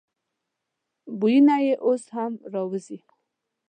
بویونه یې اوس هم راوزي.